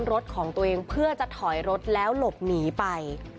รถของตัวเองเพื่อจะถอยรถแล้วหลบหนีไป